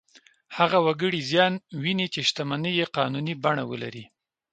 هغه وګړي زیان ویني چې شتمنۍ یې قانوني بڼه ولري.